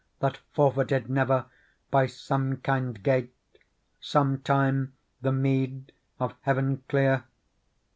That forfeited never, by somekind gate. Sometime, the mee'd of heaven clear?'